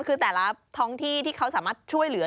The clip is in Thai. คือแต่ละท้องที่ที่เขาสามารถช่วยเหลือ